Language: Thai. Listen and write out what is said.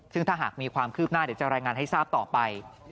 ซึ่งถ้าหากมีความคืบหน้าเดี๋ยวจะรายงานให้ทราบต่อไป